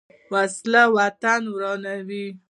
وسله وطن ورانوي